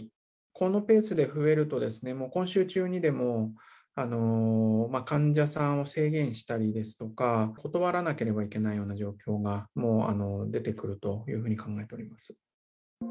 このペースで増えるともう今週中にでも患者さんを制限したりですとか、断らなければいけないような状況が出てくると考えています。